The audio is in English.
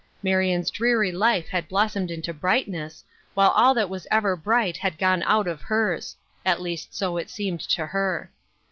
Marion's dreary life had blossomed into bright ness, while all that was ever bright had gone out of hers ; at least so it seemed to her.